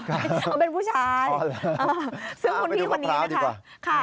เอาเป็นผู้ชายซึ่งคุณพี่คนนี้นะครับเอาไปดูมะพร้าวดีกว่า